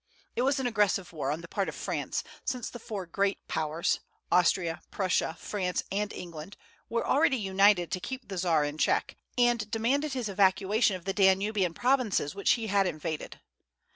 It was an aggressive war on the part of France, since the four great Powers Austria, Prussia, France, and England were already united to keep the Czar in check, and demanded his evacuation of the Danubian provinces which he had invaded.